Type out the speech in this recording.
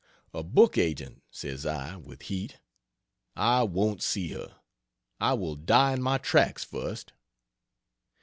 "A book agent!" says I, with heat. "I won't see her; I will die in my tracks, first."